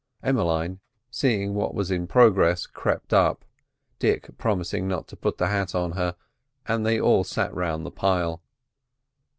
Emmeline, seeing what was in progress, crept up, Dick promising not to put the hat on her, and they all sat round the pile.